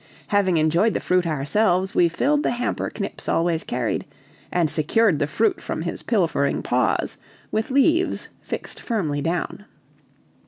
Having enjoyed the fruit ourselves, we filled the hamper Knips always carried, and secured the fruit from his pilfering paws with leaves fixed firmly down.